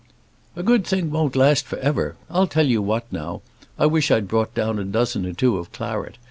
"A good thing won't last for ever. I'll tell you what now; I wish I'd brought down a dozen or two of claret.